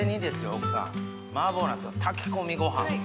奥さん麻婆ナスの炊き込みご飯。